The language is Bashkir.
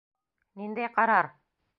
Ниндәй ҡарар?